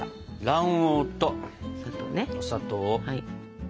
卵黄とお砂糖を。